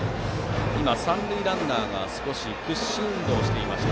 三塁ランナーが少し屈伸運動をしていました。